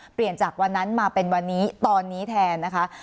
เปลี่ยนจากวันนั้นมาเป็นวันนี้ตอนนี้แทนนะคะ